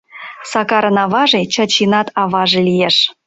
Сакарын аваже Чачинат аваже лиеш.